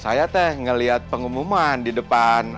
saya teh ngelihat pengumuman di depan